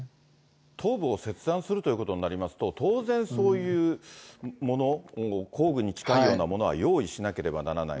頭部を切断するということになりますと、当然、そういうもの、工具に近いようなものは用意しなければならない。